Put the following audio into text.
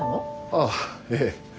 ああええ。